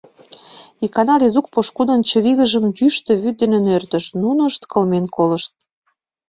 Икана Лизук пошкудын чывигыжым йӱштӧ вӱд дене нӧртыш, нунышт кылмен колышт.